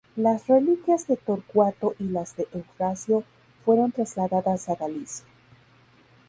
Las reliquias de Torcuato y las de Eufrasio fueron trasladadas a Galicia.